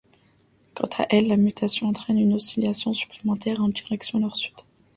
Quant à elle, la nutation entraîne une oscillation supplémentaire en direction nord-sud.